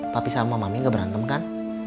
tapi sama mama gak berantem kan